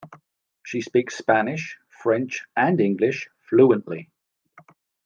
She speaks Spanish, French and English fluently.